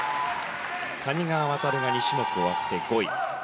谷川航が２種目終わって５位。